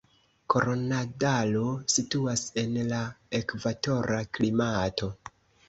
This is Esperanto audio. Koronadalo situas en la ekvatora klimato.